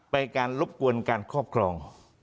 การรบกวนการครอบครอง